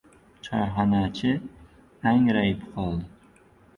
Choyxonachi angrayib qoldi.